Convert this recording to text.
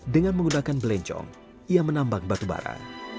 dengan menggunakan belencong ia menambang batubara